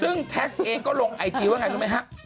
ซึ่งแท็กเองก็ลงไอจีว่าไงรู้มั้ยฮะ